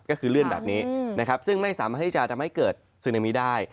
ก็คือเลื่อนแบบนี้นะครับซึ่งไม่สามารถที่จะทำให้เกิดซึนามิได้